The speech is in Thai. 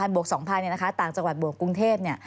บวก๒๐๐ต่างจังหวัดบวกกรุงเทพ